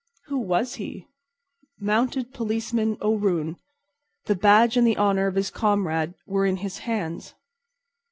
Who was he? Mounted Policeman O'Roon. The badge and the honor of his comrade were in his hands.